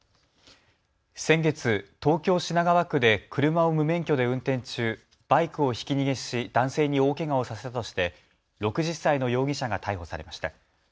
先月、東京品川区で車を無免許で運転中、バイクをひき逃げし男性に大けがをさせたとして６０歳の容疑者が逮捕されました。